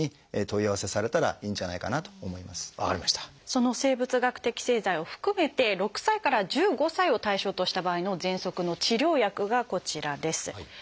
その生物学的製剤を含めて６歳から１５歳を対象とした場合のぜんそくの治療薬がこちらです。